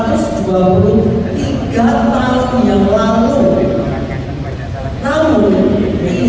dengan situasi rasional yang kita hadapi akhir akhir ini